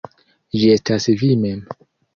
Ĝi estas vi mem.